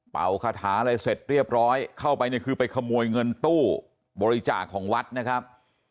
คาถาอะไรเสร็จเรียบร้อยเข้าไปเนี่ยคือไปขโมยเงินตู้บริจาคของวัดนะครับ